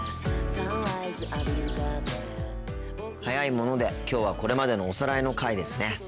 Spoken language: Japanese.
早いものできょうはこれまでのおさらいの回ですね。